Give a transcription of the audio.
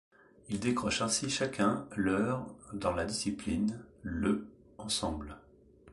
Ils décrochent ainsi chacun leur dans la discipline, le ensemble.